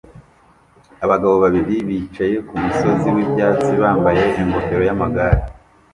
Abagabo babiri bicaye kumusozi wibyatsi bambaye ingofero yamagare